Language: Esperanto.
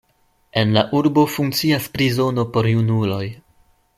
En la urbo funkcias prizono por junuloj.